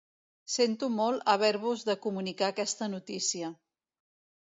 Sento molt haver-vos de comunicar aquesta notícia.